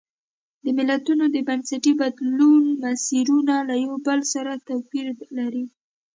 د ملتونو د بنسټي بدلون مسیرونه له یو بل سره توپیر لري.